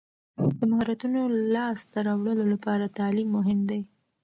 د مهارتونو لاسته راوړلو لپاره تعلیم مهم دی.